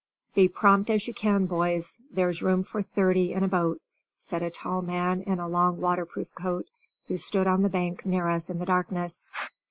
"Be prompt as you can, boys; there's room for thirty in a boat," said a tall man in a long waterproof coat who stood on the bank near us in the darkness.